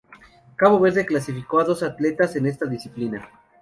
Cabo Verde clasificó a dos atletas en esta disciplina.